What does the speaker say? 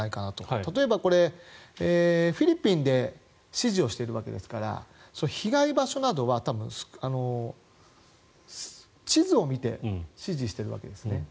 例えば、フィリピンで指示をしているわけですから被害場所などは、地図を見て指示してるわけですね。